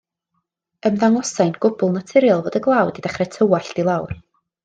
Ymddangosai'n gwbl naturiol fod y glaw wedi dechrau tywallt i lawr.